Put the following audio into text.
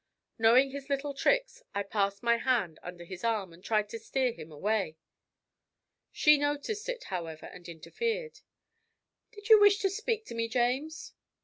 Knowing his little tricks, I passed my hand under his arm, and tried to steer him away. She noticed it, however, and interfered. "Did you wish to speak to me, James?"